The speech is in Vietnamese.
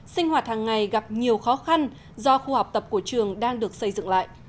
sinh hoạt hàng ngày gặp nhiều khó khăn do khu học tập của trường đang được xây dựng lại